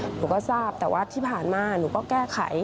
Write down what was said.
หนูก็ทราบแต่ว่าที่ผ่านมาหนูก็แก้ไข